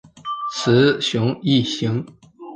雌雄异型。